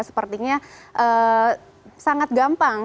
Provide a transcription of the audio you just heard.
sepertinya sangat gampang